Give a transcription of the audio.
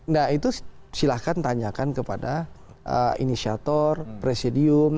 nah itu silahkan tanyakan kepada inisiator presidium